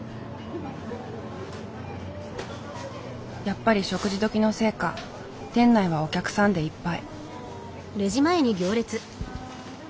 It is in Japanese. やっぱり食事時のせいか店内はお客さんでいっぱい。